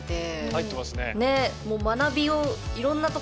入ってますね。ね。